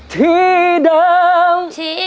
ที่เดิม